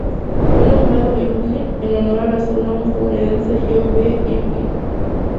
Fue nombrado Irwin en honor al astrónomo estadounidense John B. Irwin.